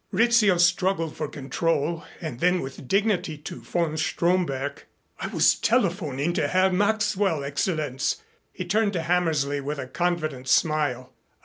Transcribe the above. Rizzio struggled for control, and then with dignity to von Stromberg, "I was telephoning to Herr Maxwell, Excellenz." He turned to Hammersley with a confident smile.